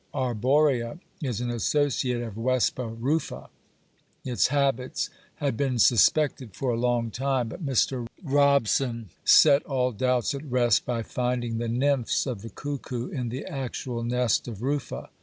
arborea_, is an associate of Vespa rufa; its habits had been suspected for a long time, but Mr. Robson set all doubts at rest by finding the nymphs of the cuckoo in the actual nest of rufa.